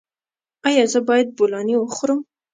ایا زه باید بولاني وخورم؟